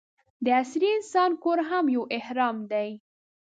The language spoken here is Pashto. د عصري انسان کور هم یو اهرام دی.